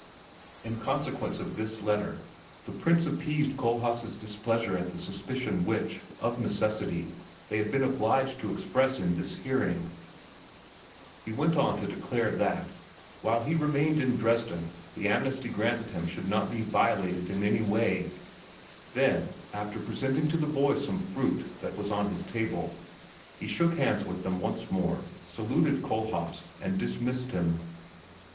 In consequence of this letter the Prince appeased Kohlhaas' displeasure at the suspicion which, of necessity, they had been obliged to express in this hearing; he went on to declare that, while he remained in Dresden, the amnesty granted him should not be violated in any way; then, after presenting to the boys some fruit that was on his table, he shook hands with them once more, saluted Kohlhaas, and dismissed him.